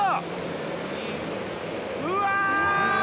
うわ！